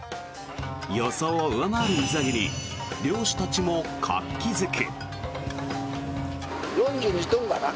予想を上回る水揚げに漁師たちも活気付く。